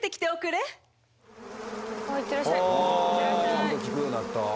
言うこと聞くようになった。